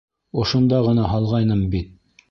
Ошонда ғына һалғайным бит!